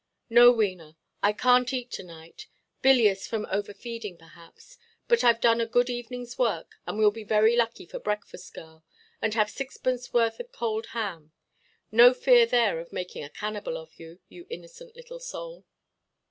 "No, Wena, I canʼt eat to–night; bilious from over–feeding, perhaps. But Iʼve done a good eveningʼs work, and weʼll be very plucky for breakfast, girl, and have sixpenceworth of cold ham. No fear there of making a cannibal of you, you innocent little soul."